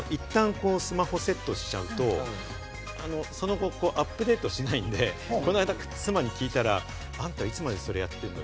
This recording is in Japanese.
貯めるんですけど、いったんスマホをセットしちゃうと、その後、アップデートしないんで、この間、妻に聞いたら「あんた、いつまでそれやってんの？」